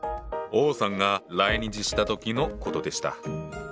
王さんが来日した時の事でした。